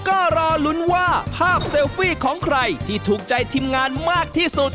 ก็รอลุ้นว่าภาพเซลฟี่ของใครที่ถูกใจทีมงานมากที่สุด